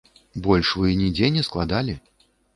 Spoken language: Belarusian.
Больш вы нідзе не складалі?